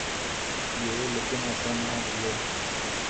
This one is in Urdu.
گے لیکن ایسا نہ ہوا۔